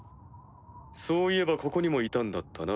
そういえばここにもいたんだったな。